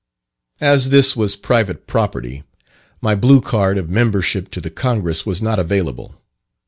As this was private property, my blue card of membership to the Congress was not available.